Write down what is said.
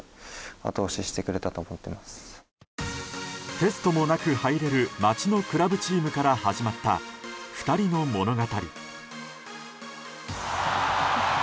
テストもなく入れる町のクラブチームから始まった２人の物語。